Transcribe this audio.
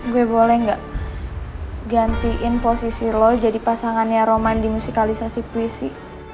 gue boleh gak gantiin posisi lo jadi pasangannya roman di musikalisasi puisi